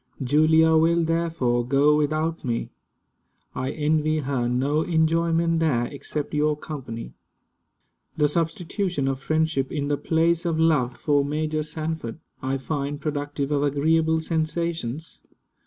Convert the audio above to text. Julia will therefore go without me. I envy her no enjoyment there, except your company. The substitution of friendship, in the place of love, for Major Sanford, I find productive of agreeable sensations.